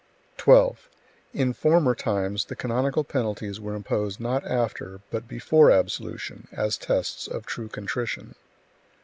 12. In former times the canonical penalties were imposed not after, but before absolution, as tests of true contrition.